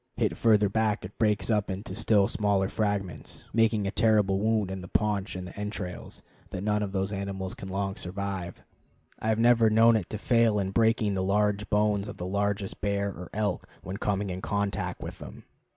Hit further back it breaks up into still smaller fragments, making a terrible wound in the paunch and entrails that none of those animals can long survive. I have never known it to fail in breaking the large bones of the largest bear or elk when coming in contact with them.